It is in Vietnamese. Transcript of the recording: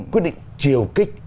quyết định triều kích